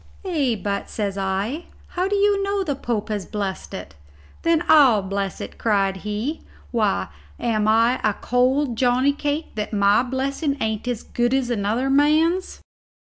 "Ay, but," says I, "how do you know the Pope has blessed it?" "Then I'll bless it," cried he; "why, am I a cold Johnny cake that my blessing ain't as good as another man's?"